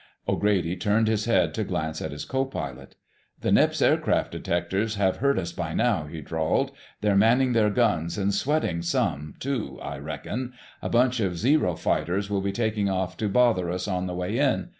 O'Grady turned his head to glance at his co pilot. "The Nips' aircraft detectors have heard us by now," he drawled. "They're manning their guns, and sweating some, too, I reckon. A bunch of Zero fighters will be taking off to bother us on the way in....